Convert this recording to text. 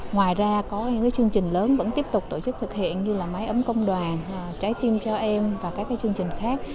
ngoài ra có những chương trình lớn vẫn tiếp tục tổ chức thực hiện như là máy ấm công đoàn trái tim cho em và các chương trình khác